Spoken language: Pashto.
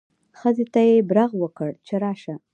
ښځې ته یې برغ وکړ چې راشه.